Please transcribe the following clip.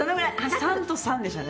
「３と３でしたね」